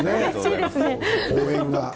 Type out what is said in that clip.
応援が。